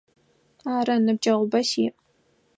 Ары, ныбджэгъубэ сиӏ.